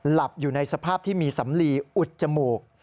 หลับอยู่ในสภาพที่มีสำลีอุดจมูก